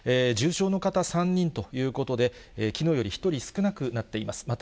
重症の方３人ということで、きのうよりも１人少なくなっています。